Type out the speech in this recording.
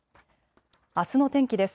あすの天気です。